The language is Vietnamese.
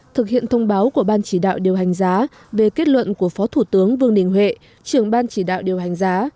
thông báo của ban chỉ đạo điều hành giá về kết luận của phó thủ tướng vương đình huệ trường ban chỉ đạo điều hành giá